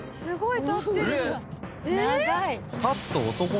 「すごい！」